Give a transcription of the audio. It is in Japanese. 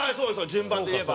順番で言えば。